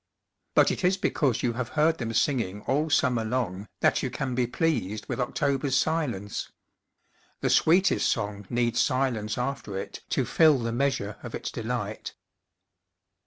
But it is because you have heard them singing all summer long that you can be pleased with October's silence. The sweetest song needs silence after it to fill the measure of its delight.